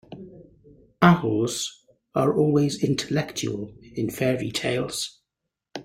Owls are always intellectual in fairy-tales.